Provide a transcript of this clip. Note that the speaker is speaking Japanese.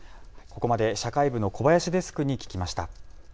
ここまで社会部の小林デスクに聞きました。